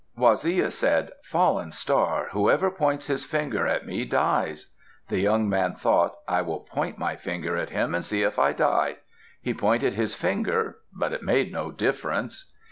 Waziya said, "Fallen Star, whoever points his finger at me dies." The young man thought, "I will point my finger at him and see if I die." He pointed his finger, but it made no difference.